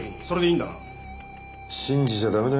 それでいいんだな？